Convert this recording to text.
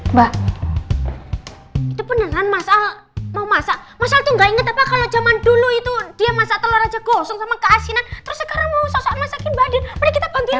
mbak itu beneran mas al mau masak mas al itu nggak inget apa kalau zaman dulu itu dia masak telur aja gosong sama keasinan terus sekarang mau sosok masakin badan bisa kita bantuin aja